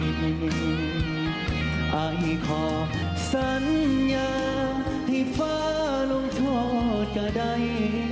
อ้าวให้ขอสัญญาให้ฟ้าลงโทษก็ได้